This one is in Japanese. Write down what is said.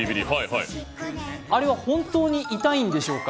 あれは本当に痛いんでしょうか？